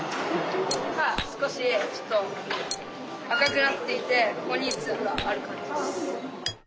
少し赤くなっていてここにツブがある感じです。